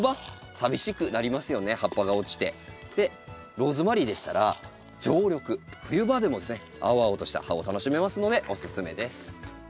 ローズマリーでしたら常緑冬場でもですね青々とした葉を楽しめますのでおすすめです。